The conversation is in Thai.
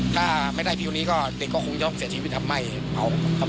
ทำเป็นนะครับ